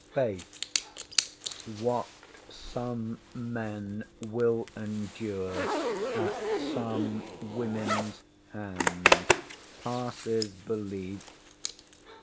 ŌĆśFaith, what some men will endure at some womenŌĆÖs hands passes belief!